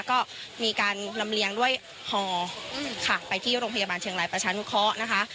ก็มีการลำเลียงด้วยฮอค่ะไปที่โรงพยาบาลเชียงรายประชานุเคราะห์นะคะ